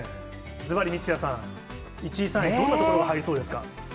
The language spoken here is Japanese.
ずばり三屋さん、１位、３位どんな所が入りそうですか。